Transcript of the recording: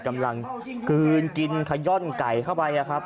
กำลังกลืนกินขย่อนไก่เข้าไปครับ